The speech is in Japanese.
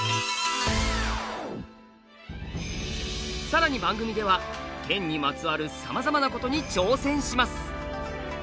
さらに番組では剣にまつわるさまざまなことに挑戦します。